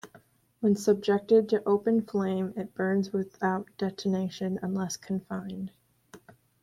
When subjected to open flame, it burns without detonation, unless confined.